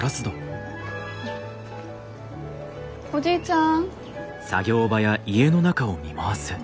おじいちゃん？